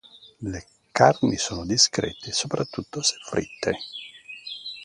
Le carni sono discrete soprattutto se fritte.